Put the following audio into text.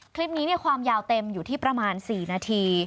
คลิปนี้ความยาวเต็มอยู่ที่ประมาณ๔นาที